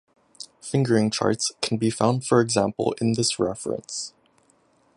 Fingering charts can be found for example in this reference.